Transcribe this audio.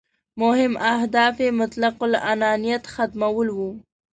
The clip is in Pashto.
مهم اهداف یې مطلق العنانیت ختمول وو.